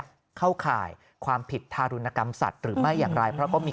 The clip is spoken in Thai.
เข้าข่ายความผิดทารุณกรรมสัตว์หรือไม่อย่างไรเพราะก็มี